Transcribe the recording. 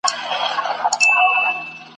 ویل خدایه څه ښکرونه لرم ښکلي ,